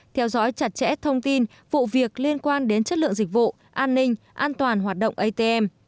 theo dõi chặt chẽ thông tin vụ việc liên quan đến chất lượng dịch vụ an ninh an toàn hoạt động atm